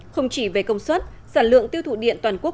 không chỉ về công suất sản lượng tiêu thụ điện toàn quốc